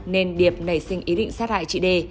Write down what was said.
nên điệp nảy sinh ý định sát hại chị đề